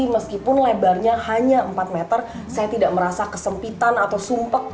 meskipun lebarnya hanya empat meter saya tidak merasa kesempitan atau sumpek